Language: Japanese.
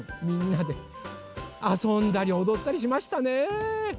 みんなであそんだりおどったりしましたね。